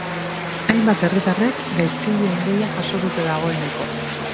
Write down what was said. Hainbat herritarrek gaizkileen deia jaso dute dagoeneko.